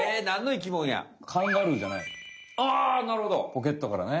ポケットからね。